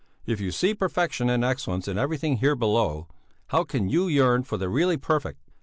If you see perfection and excellence in everything here below, how can you yearn for the really perfect?